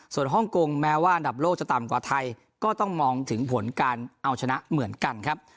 ส่วนฮ่องกงแม้ว่าอันดับโลกจะต่ำกว่าไทยก็ต้องมองถึงผลการเอาชนะเหมือนกันครับ